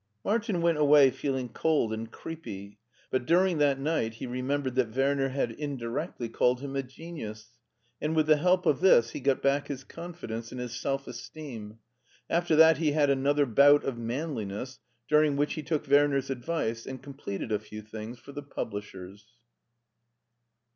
Martin went away feeling cold and creepy, but during that night he remembered that Werner had 64 MARTIN SCHULER indirectiy called him a genius, and with the help of this he got back his confidence and his self esteem. After that he had another bout of manliness, during which he took Werner's advice and completed a few things for the publishers.